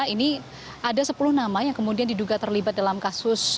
ini ada sepuluh nama yang kemudian diduga terlibat dalam kasus